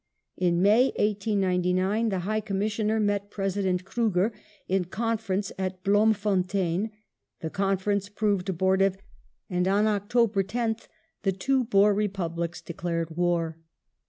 In May, 1899, the High Commissioner met President Kruger in conference at Bloemfontein. The conference proved abortive, and on October 10th the two Boer Republics declared war.